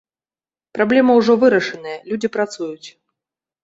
Праблема ўжо вырашаная, людзі працуюць.